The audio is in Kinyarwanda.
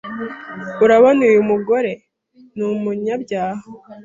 "Urabona uyu mugore? Ni umunyabyaha